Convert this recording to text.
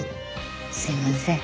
すいません。